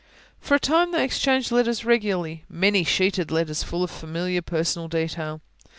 For a time they exchanged letters regularly, many sheeted letters, full of familiar, personal detail.